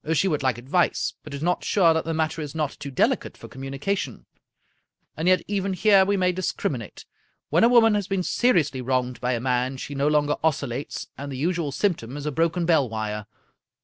She would like advice, but is not sure that the matter is not too deli cate for communication. And yet even here we may dis criminate. When a woman has been seriously wronged by a man, she no longer oscillates, and the usual S3miptom is a broken bell wire.